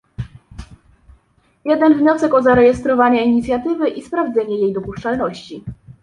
Jeden wniosek o zarejestrowanie inicjatywy i sprawdzenie jej dopuszczalności